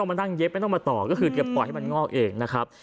มานั่งเย็บไม่ต้องมาต่อก็คือจะปล่อยให้มันงอกเองนะครับ